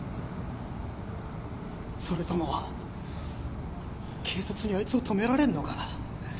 それとも警察にあいつを止められんのか？